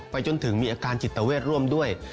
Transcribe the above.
จนถึงมีอาการจิตเวทร่วมด้วย